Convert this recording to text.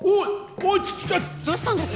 おいどうしたんですか？